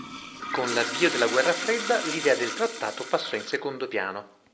Con l'avvio della Guerra Fredda, l'idea del trattato passò in secondo piano.